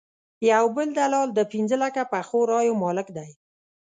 یو بل دلال د پنځه لکه پخو رایو مالک دی.